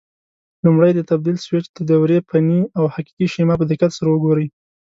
لومړی د تبدیل سویچ د دورې فني او حقیقي شیما په دقت سره وګورئ.